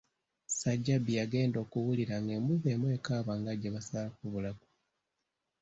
Ssajjabbi yagenda okuwulira nga embuzi emu ekaaba nga gye basalako obulago.